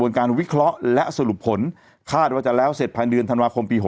การวิเคราะห์และสรุปผลคาดว่าจะแล้วเสร็จภายเดือนธันวาคมปี๖๐